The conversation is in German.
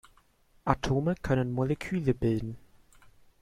Atome können Moleküle bilden.